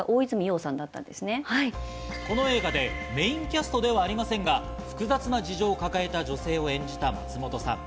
この映画でメインキャストではありませんが、複雑な事情を抱えた女性を演じた松本さん。